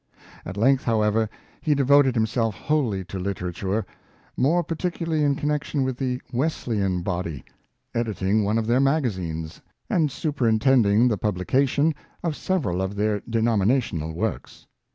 At length, however, he devoted himself wholly to literature, more particularly in connection with the Wesleyan body; editing one of their magazines, and superintending the publication of several of their de nominational works.